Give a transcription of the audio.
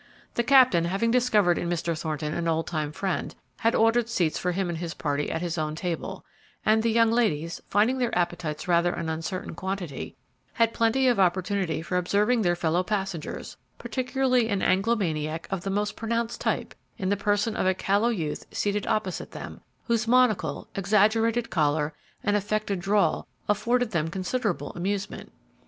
The captain, having discovered in Mr. Thornton an old time friend, had ordered seats for him and his party at his own table, and the young ladies, finding their appetites rather an uncertain quantity, had plenty of opportunity for observing their fellow passengers, particularly an Anglomaniac of the most pronounced type, in the person of a callow youth seated opposite them, whose monocle, exaggerated collar, and affected drawl afforded them considerable amusement.